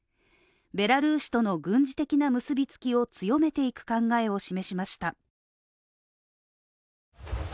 ベラルーシとの軍事的な結びつきを強めていく考えを示しました。